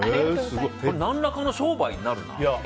何らかの商売になるな。